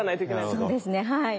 そうですねはい。